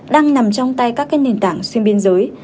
đang nằm trong tay các nền tảng xuyên biên giới